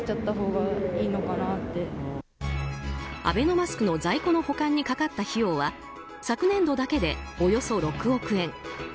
アベノマスクの在庫の保管にかかった費用は昨年度だけでおよそ６億円。